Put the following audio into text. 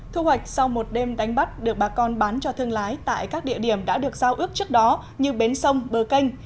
thu hoạch sau một đêm đánh bắt được bà con bán cho thương lái tại các địa điểm đã được giao ước trước đó như bến sông bờ canh